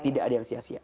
tidak ada yang sia sia